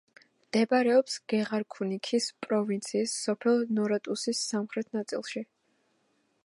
მდებარეობს გეღარქუნიქის პროვინციის სოფელ ნორატუსის სამხრეთ ნაწილში.